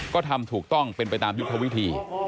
ก็ทำถูกต้องเป็นไปตามยุทธวิธี